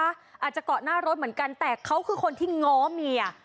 อาจจะเกาะหน้ารถเหมือนกันแต่เขาคือคนที่ง้อเมีย